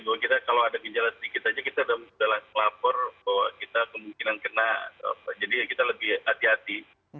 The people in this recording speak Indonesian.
bahwa kita kalau ada gejala sedikit aja kita sudah lapor bahwa kita kemungkinan kena jadi kita lebih hati hati